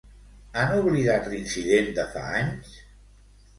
Han oblidat l'incident de fa anys?